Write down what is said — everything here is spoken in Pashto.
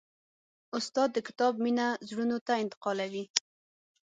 استاد د کتاب مینه زړونو ته انتقالوي.